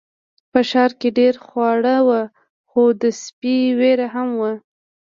په ښار کې ډیر خواړه وو خو د سپي ویره هم وه.